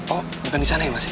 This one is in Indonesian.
oh bukan di sana ya mas ya